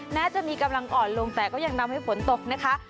แม้จะมีกำลังอ่อนลงแต่ก็ยังทำให้ฝนตกนะคะ